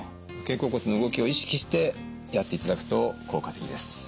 肩甲骨の動きを意識してやっていただくと効果的です。